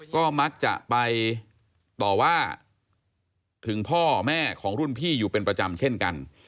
ก็มักจะไปต่อว่าถึงพ่อแม่ของรุ่นพี่อยู่เป็นประจำเช่นกัน